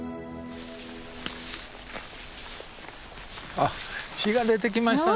あっ日が出てきましたね。